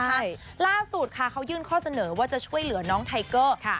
ใช่ล่าสุดค่ะเขายื่นข้อเสนอว่าจะช่วยเหลือน้องไทเกอร์